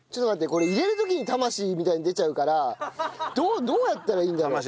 これ入れる時に魂みたいに出ちゃうからどうやったらいいんだろう？